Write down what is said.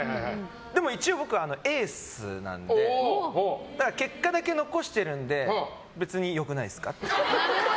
だけど一応、僕はエースなのでだから、結果だけ残してるんで別に良くないですか？